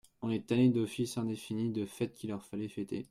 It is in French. On les tannait d'offices indéfinis, de fêtes qu'il leur fallait fêter.